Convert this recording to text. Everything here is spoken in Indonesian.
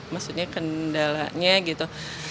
maksudnya kendalanya gitu